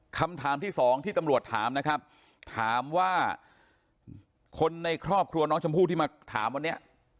คำถามที่สองที่ตำรวจถามนะครับถามว่าคนในครอบครัวน้องชมพู่ที่มาถามวันนี้